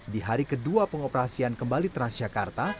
di hari kedua pengoperasian kembali transjakarta